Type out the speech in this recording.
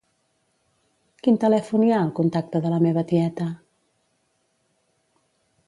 Quin telèfon hi ha al contacte de la meva tieta?